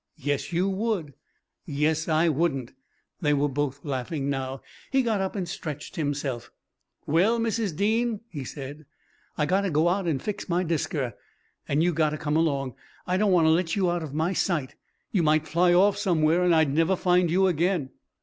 "Yes, you would." "Yes, I wouldn't." They were both laughing now. He got up and stretched himself. "Well, Mrs. Dean," he said, "I gotta go out and fix my disker, and you gotta come along. I don't want to let you out of my sight. You might fly off somewhere, and I'd never find you again."